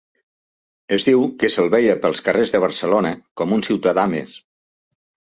Es diu que se'l veia pels carrers de Barcelona com a un ciutadà més.